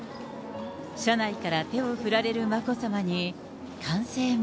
車内から手を振られる眞子さまに、歓声も。